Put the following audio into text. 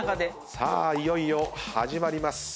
さあいよいよ始まります。